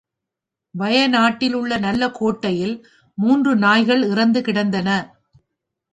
வயநாட்டிலுள்ள நல்ல கோட்டையில் மூன்று நாய்கள் இறந்து கிடந்தன.